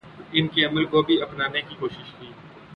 ان کے عمل کو بھی اپنانے کی کوشش کی